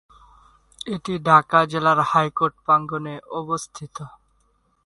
এটি ঢাকা জেলার হাইকোর্ট প্রাঙ্গনে অবস্থিত।